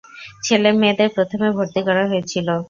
ছেলে-মেয়েদের প্রথমে ভর্তি করা হয়েছিল।